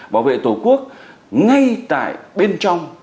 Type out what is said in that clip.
bảo vệ tổ quốc ngay tại bên trong